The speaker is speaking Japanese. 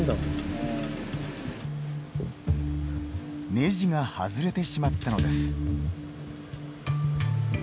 ネジが外れてしまったのです。